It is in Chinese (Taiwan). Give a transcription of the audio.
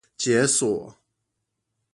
解鎖